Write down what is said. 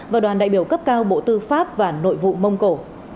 và đoàn đại biểu cấp cao bộ tư pháp và nội vụ mông cổ